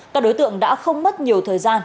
các đối tượng đã không mất nhiều thời gian